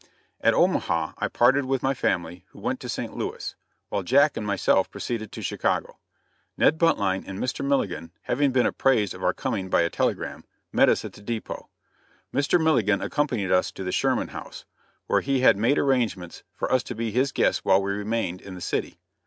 At Omaha I parted with my family, who went to St. Louis, while Jack and myself proceeded to Chicago. Ned Buntline and Mr. Milligan, having been apprised of our coming by a telegram, met us at the dépôt. Mr. Milligan accompanied us to the Sherman House, where he had made arrangements for us to be his guests while we remained in the city.